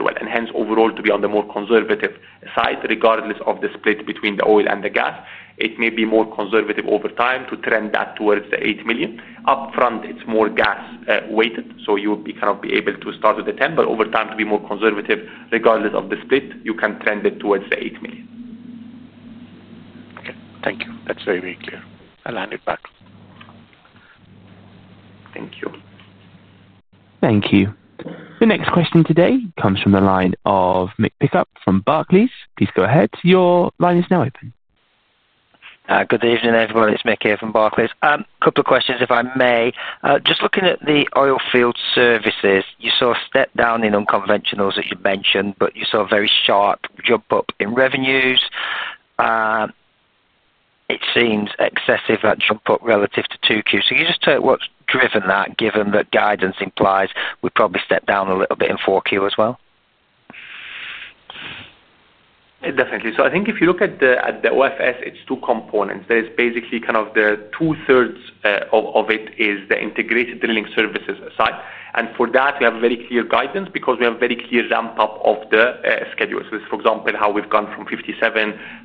well. Hence, overall, to be on the more conservative side, regardless of the split between the oil and the gas, it may be more conservative over time to trend that towards the $8 million. Upfront, it's more gas-weighted, so you would be able to start with the $10 million, but over time, to be more conservative, regardless of the split, you can trend it towards the $8 million. Okay. Thank you. That's very, very clear. I'll hand it back. Thank you. Thank you. The next question today comes from the line of Mick Pickup from Barclays. Please go ahead. Your line is now open. Good evening, everyone. It's Mick here from Barclays. A couple of questions, if I may. Just looking at the oilfield services, you saw a step down in Unconventionals that you mentioned, but you saw a very sharp jump up in revenues. It seems excessive, that jump up relative to 2Q. Can you just tell what's driven that, given that guidance implies we probably step down a little bit in 4Q as well? Definitely. I think if you look at the OFS, it's two components. There is basically kind of the two-thirds of it is the integrated drilling services side. For that, we have a very clear guidance because we have a very clear ramp-up of the schedule. For example, how we've gone from 57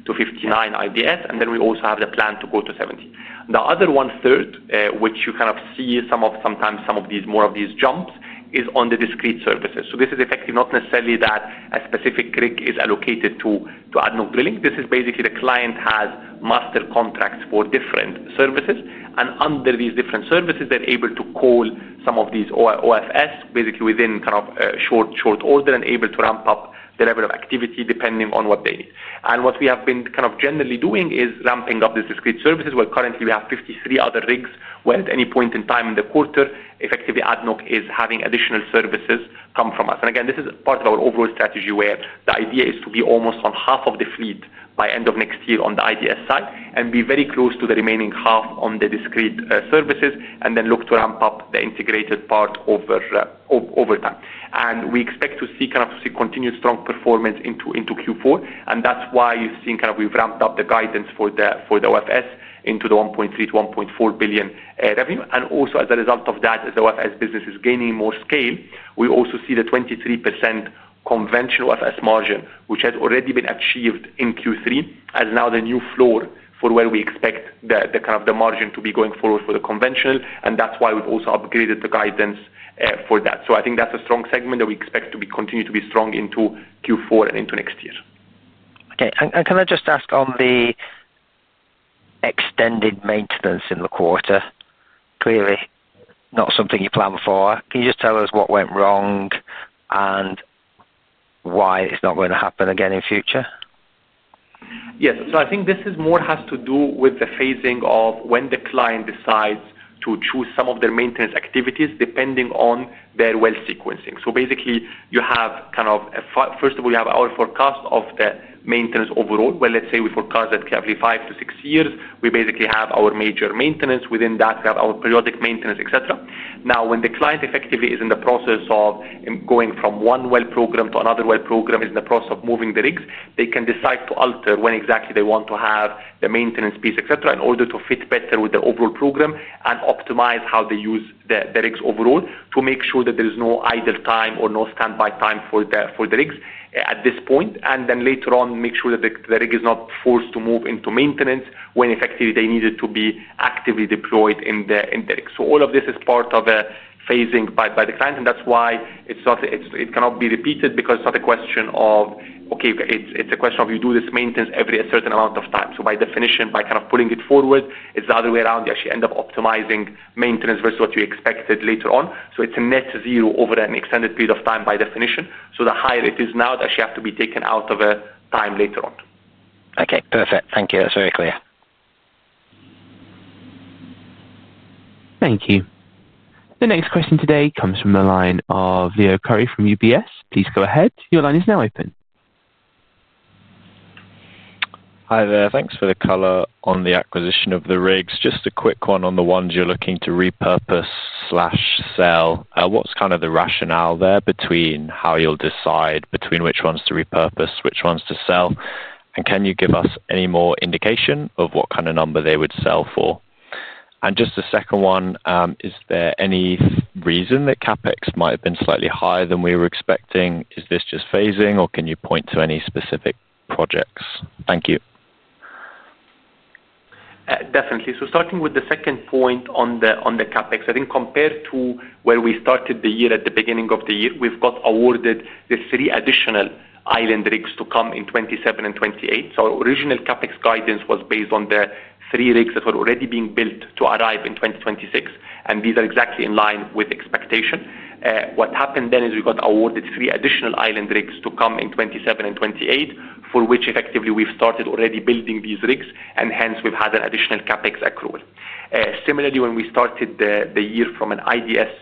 to 59 IDS, and then we also have the plan to go to 70. The other one-third, which you kind of see sometimes more of these jumps, is on the discrete services. This is effectively not necessarily that a specific rig is allocated to ADNOC Drilling. This is basically the client has master contracts for different services, and under these different services, they're able to call some of these OFS basically within kind of short order and able to ramp up the level of activity depending on what they need. What we have been generally doing is ramping up these discrete services where currently we have 53 other rigs where, at any point in time in the quarter, effectively ADNOC is having additional services come from us. This is part of our overall strategy where the idea is to be almost on half of the fleet by end of next year on the IDS side and be very close to the remaining half on the discrete services and then look to ramp up the integrated part over time. We expect to see continued strong performance into Q4. That's why you've seen we've ramped up the guidance for the OFS into the $1.3 to $1.4 billion revenue. Also, as a result of that, as the OFS business is gaining more scale, we also see the 23% conventional OFS margin, which has already been achieved in Q3, as now the new floor for where we expect the margin to be going forward for the conventional. That's why we've also upgraded the guidance for that. I think that's a strong segment that we expect to continue to be strong into Q4 and into next year. Okay. Can I just ask on the extended maintenance in the quarter? Clearly, not something you plan for. Can you just tell us what went wrong and why it's not going to happen again in the future? Yes. I think this more has to do with the phasing of when the client decides to choose some of their maintenance activities depending on their well sequencing. Basically, you have, first of all, our forecast of the maintenance overall, where let's say we forecast that every five to six years, we basically have our major maintenance. Within that, we have our periodic maintenance, etc. Now, when the client effectively is in the process of going from one well program to another well program, is in the process of moving the rigs, they can decide to alter when exactly they want to have the maintenance piece, etc., in order to fit better with the overall program and optimize how they use the rigs overall to make sure that there is no idle time or no standby time for the rigs at this point. Later on, make sure that the rig is not forced to move into maintenance when effectively they need it to be actively deployed in the rig. All of this is part of a phasing by the client. That's why it cannot be repeated because it's not a question of, okay, it's a question of you do this maintenance every a certain amount of time. By definition, by kind of pulling it forward, it's the other way around. You actually end up optimizing maintenance versus what you expected later on. It's a net zero over an extended period of time by definition. The higher it is now, it actually has to be taken out of a time later on. Okay. Perfect. Thank you. That's very clear. Thank you. The next question today comes from the line of Leo Curry from UBS. Please go ahead. Your line is now open. Hi, there. Thanks for the color on the acquisition of the rigs. Just a quick one on the ones you're looking to repurpose or sell. What's kind of the rationale there between how you'll decide between which ones to repurpose, which ones to sell? Can you give us any more indication of what kind of number they would sell for? Is there any reason that CapEx might have been slightly higher than we were expecting? Is this just phasing, or can you point to any specific projects? Thank you. Definitely. Starting with the second point on the CapEx, I think compared to where we started the year at the beginning of the year, we've got awarded the three additional island rigs to come in 2027 and 2028. Our original CapEx guidance was based on the three rigs that were already being built to arrive in 2026, and these are exactly in line with expectation. What happened then is we got awarded three additional island rigs to come in 2027 and 2028, for which effectively we've started already building these rigs. Hence, we've had an additional CapEx accrual. Similarly, when we started the year from an IDS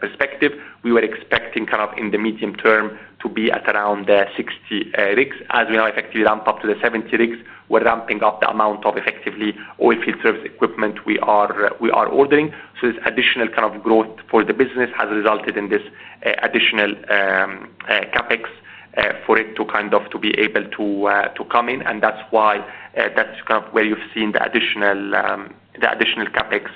perspective, we were expecting kind of in the medium term to be at around the 60 rigs. As we now effectively ramp up to the 70 rigs, we're ramping up the amount of effectively oilfield service equipment we are ordering. This additional kind of growth for the business has resulted in this additional CapEx for it to kind of be able to come in. That's why that's kind of where you've seen the additional CapEx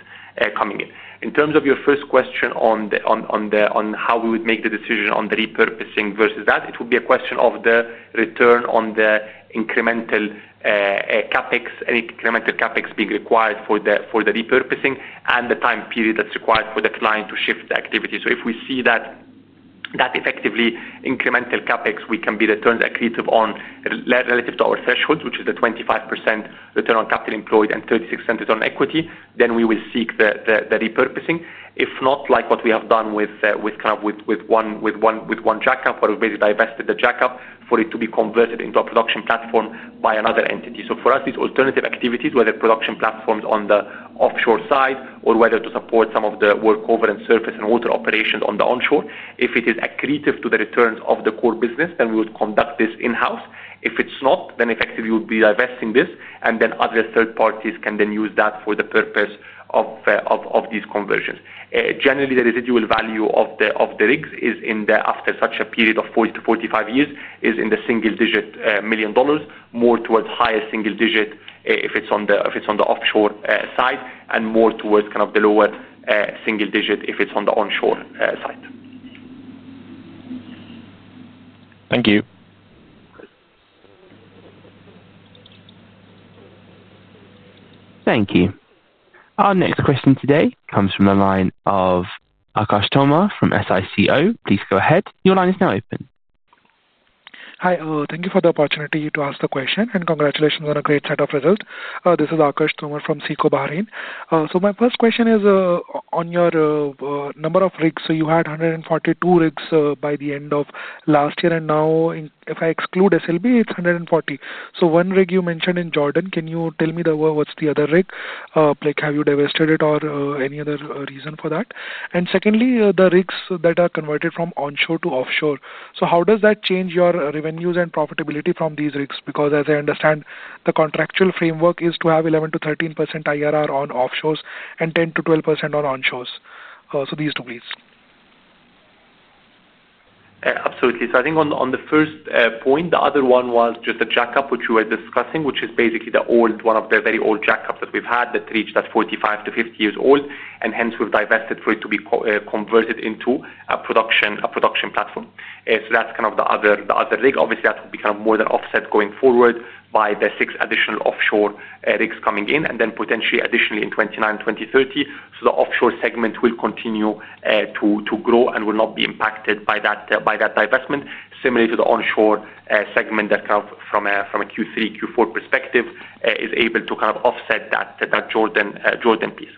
coming in. In terms of your first question on how we would make the decision on the repurposing versus that, it would be a question of the return on the incremental CapEx, any incremental CapEx being required for the repurposing and the time period that's required for the client to shift the activity. If we see that that effectively incremental CapEx we can be returned accretive on relative to our thresholds, which is the 25% return on capital employed and 36% return on equity, then we will seek the repurposing. If not, like what we have done with one jackup, where we've basically divested the jackup for it to be converted into a production platform by another entity. For us, these alternative activities, whether production platforms on the offshore side or whether to support some of the workover and surface and water operations on the onshore, if it is accretive to the returns of the core business, then we would conduct this in-house. If it's not, then effectively we would be divesting this, and then other third parties can then use that for the purpose of these conversions. Generally, the residual value of the rigs is in the after such a period of 40 to 45 years, is in the single-digit million dollars, more towards higher single-digit if it's on the offshore side and more towards kind of the lower single-digit if it's on the onshore side. Thank you. Thank you. Our next question today comes from the line of Aakarsh Tomar from SICO. Please go ahead. Your line is now open. Hi. Thank you for the opportunity to ask the question, and congratulations on a great set of results. This is Aakarsh Tomar from SICO Bahrain. My first question is on your number of rigs. You had 142 rigs by the end of last year, and now if I exclude SLB, it's 140. One rig you mentioned in Jordan, can you tell me what's the other rig? Like have you divested it or any other reason for that? The rigs that are converted from onshore to offshore, how does that change your revenues and profitability from these rigs? Because as I understand, the contractual framework is to have 11% to 13% IRR on offshores and 10% to 12% on onshores. These two, please. Absolutely. I think on the first point, the other one was just a jackup which you were discussing, which is basically the old one of the very old jackups that we've had that reached that 45 to 50 years old, and hence, we've divested for it to be converted into a production platform. That's kind of the other rig. Obviously, that would be more than offset going forward by the six additional offshore rigs coming in, and then potentially additionally in 2029, 2030, so the offshore segment will continue to grow and will not be impacted by that divestment. Similarly to the onshore segment that from a Q3, Q4 perspective is able to offset that Jordan piece.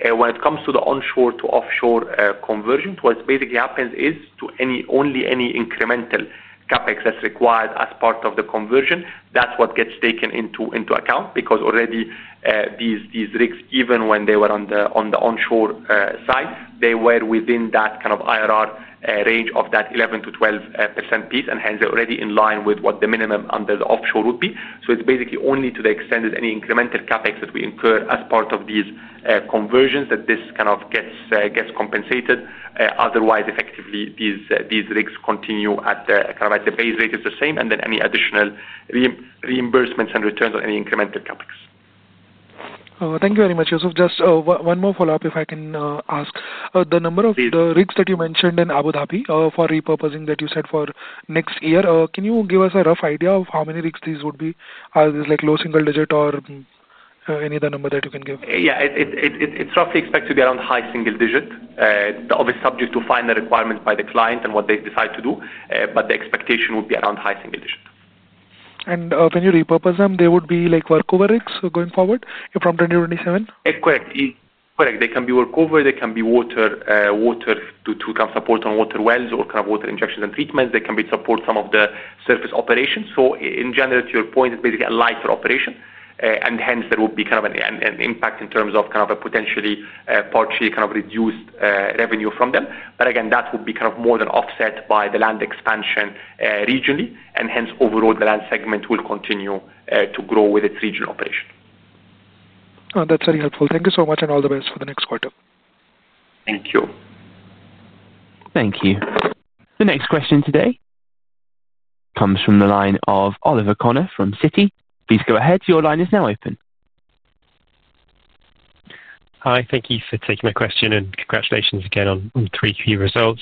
When it comes to the onshore to offshore conversion, what basically happens is only any incremental CapEx that's required as part of the conversion, that's what gets taken into account because already these rigs, even when they were on the onshore side, they were within that IRR range of that 11% to 12% piece, and hence, they're already in line with what the minimum under the offshore would be. It's basically only to the extent that any incremental CapEx that we incur as part of these conversions that this gets compensated. Otherwise, effectively, these rigs continue at the base rate is the same, and then any additional reimbursements and returns on any incremental CapEx. Thank you very much, Youssef. Just one more follow-up if I can ask. The number of the rigs that you mentioned in Abu Dhabi for repurposing that you said for next year, can you give us a rough idea of how many rigs these would be? Are these like low single-digit or any other number that you can give? It's roughly expected to be around high single-digit. It's obviously subject to final requirements by the client and what they decide to do, but the expectation would be around high single-digit. When you repurpose them, they would be like workover rigs going forward from 2027? Correct. Correct. They can be workover. They can be water to kind of support on water wells or kind of water injections and treatments. They can be to support some of the surface operations. In general, to your point, it's basically a lighter operation. Hence, there would be kind of an impact in terms of kind of a potentially partially kind of reduced revenue from them. Again, that would be kind of more than offset by the land expansion regionally. Hence, overall, the land segment will continue to grow with its regional operation. That's very helpful. Thank you so much, and all the best for the next quarter. Thank you. The next question today comes from the line of Oliver Connor from CITI. Please go ahead. Your line is now open. Hi. Thank you for taking my question, and congratulations again on 3Q results.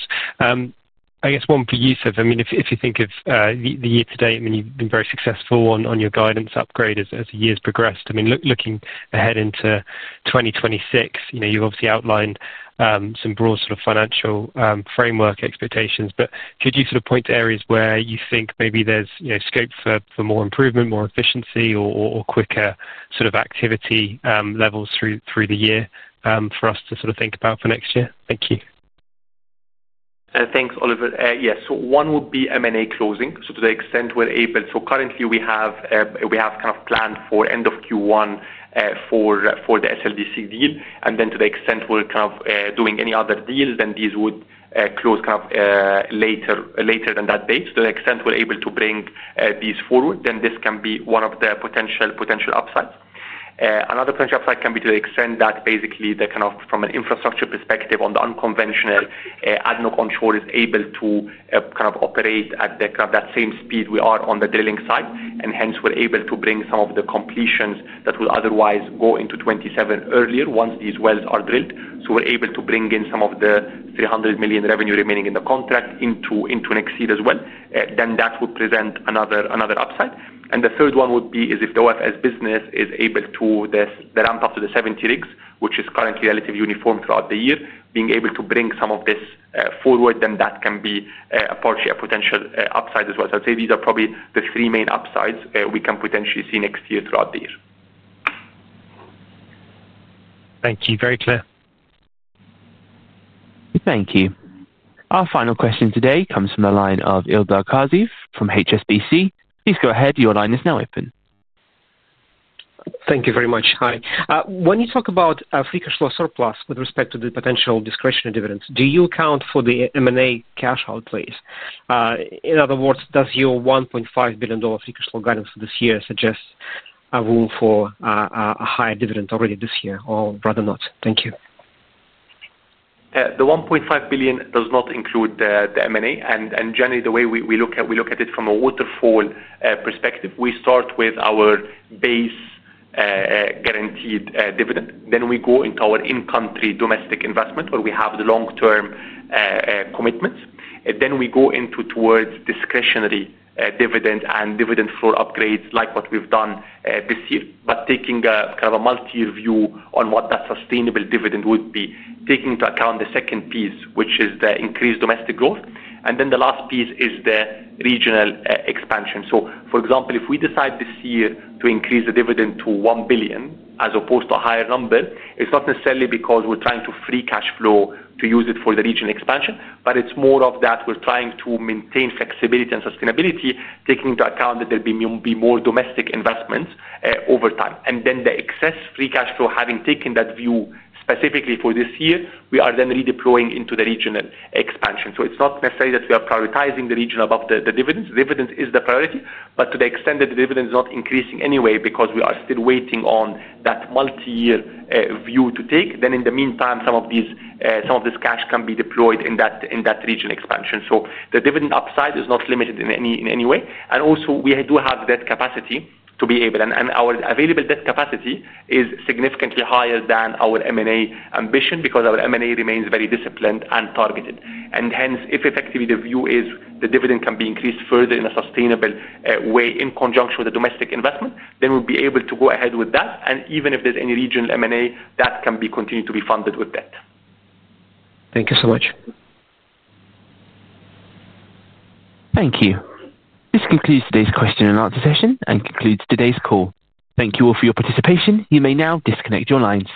I guess one for Youssef. If you think of the year to date, you've been very successful on your guidance upgrade as the year's progressed. Looking ahead into 2026, you've obviously outlined some broad sort of financial framework expectations. Could you sort of point to areas where you think maybe there's scope for more improvement, more efficiency, or quicker sort of activity levels through the year for us to sort of think about for next year? Thank you. Thanks, Oliver. Yes. One would be M&A closing. To the extent we're able, currently we have planned for end of Q1 for the SLB deal. To the extent we're doing any other deals, these would close later than that date. To the extent we're able to bring these forward, this can be one of the potential upsides. Another potential upside can be, from an infrastructure perspective on the unconventional, ADNOC Onshore is able to operate at the same speed we are on the drilling side. Hence, we're able to bring some of the completions that would otherwise go into 2027 earlier once these wells are drilled. We're able to bring in some of the $300 million revenue remaining in the contract into next year as well. That would present another upside. The third one would be if the oilfield services business is able to ramp up to the 70 rigs, which is currently relatively uniform throughout the year. Being able to bring some of this forward can be a potential upside as well. I'd say these are probably the three main upsides we can potentially see next year throughout the year. Thank you. Very clear. Thank you. Our final question today comes from the line of Ilber Kazif from HSBC. Please go ahead. Your line is now open. Thank you very much. Hi. When you talk about a free cash flow surplus with respect to the potential discretionary dividends, do you account for the M&A cash out, please? In other words, does your $1.5 billion free cash flow guidance for this year suggest a room for a higher dividend already this year, or rather not? Thank you. The $1.5 billion does not include the M&A. Generally, the way we look at it from a waterfall perspective, we start with our base guaranteed dividend. Then we go into our in-country domestic investment where we have the long-term commitments. Next, we go into discretionary dividend and dividend floor upgrades like what we've done this year, but taking a kind of multi-year view on what that sustainable dividend would be, taking into account the second piece, which is the increased domestic growth. The last piece is the regional expansion. For example, if we decide this year to increase the dividend to $1 billion as opposed to a higher number, it's not necessarily because we're trying to free cash flow to use it for the regional expansion, but it's more that we're trying to maintain flexibility and sustainability, taking into account that there will be more domestic investments over time. The excess free cash flow, having taken that view specifically for this year, is then redeployed into the regional expansion. It is not necessarily that we are prioritizing the region above the dividends. The dividends are the priority, but to the extent that the dividend is not increasing anyway because we are still waiting on that multi-year view to take, in the meantime, some of this cash can be deployed in that regional expansion. The dividend upside is not limited in any way. We do have debt capacity to be able, and our available debt capacity is significantly higher than our M&A ambition because our M&A remains very disciplined and targeted. If effectively the view is the dividend can be increased further in a sustainable way in conjunction with the domestic investment, then we'll be able to go ahead with that. Even if there's any regional M&A, that can continue to be funded with debt. Thank you so much. Thank you. This concludes today's question and answer session and concludes today's call. Thank you all for your participation. You may now disconnect your lines.